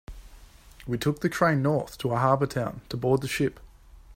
We took the train north to a harbor town to board the ship.